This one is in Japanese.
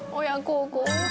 親孝行。